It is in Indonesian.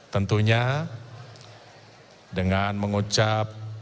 tentunya dengan mengucap